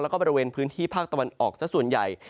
แล้วก็บริเวณพื้นที่ภาคตะวันออกซะส่วนใหญ่